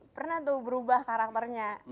pernah tuh berubah karakternya